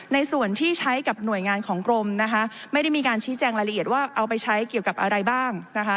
ในส่วนที่ใช้กับหน่วยงานของกรมนะคะไม่ได้มีการชี้แจงรายละเอียดว่าเอาไปใช้เกี่ยวกับอะไรบ้างนะคะ